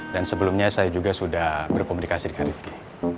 dan sebelumnya saya juga sudah berkomunikasi dengan rivki